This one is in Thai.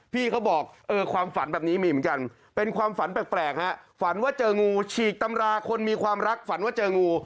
พี่เขาบอกเออความฝันแบบนี้มีเหมือนกันเป็นความฝันแปลกฮะฝันว่าเจองูฉีกตำราคนมีความรักฝันว่าเจองู